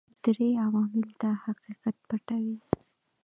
درې عوامل دا حقیقت پټوي.